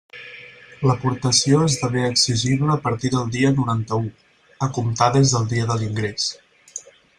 L'aportació esdevé exigible a partir del dia noranta-u, a comptar des del dia de l'ingrés.